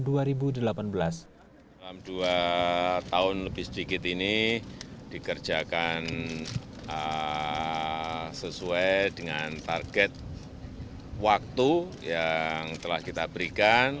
dalam dua tahun lebih sedikit ini dikerjakan sesuai dengan target waktu yang telah kita berikan